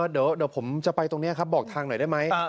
เดี๋ยวผมจะไปตรงนี้ครับบอกทางหน่อยได้ไหม